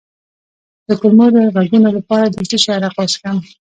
د کولمو د غږونو لپاره د څه شي عرق وڅښم؟